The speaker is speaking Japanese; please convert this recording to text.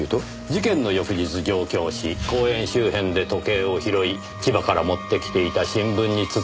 事件の翌日上京し公園周辺で時計を拾い千葉から持ってきていた新聞に包んで隠した。